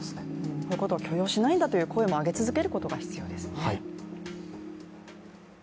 こういうことを許容しないんだという声を上げ続けることも必要ですね。